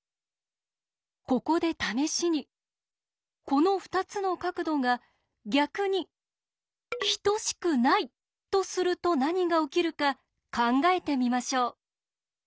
ここで試しにこの２つの角度が逆に等しくないとすると何が起きるか考えてみましょう。